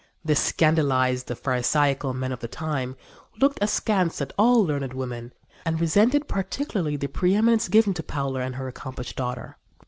This scandalized the pharisaical men of the time, who looked askance at all learned women and resented particularly the preëminence given to Paula and her accomplished daughter.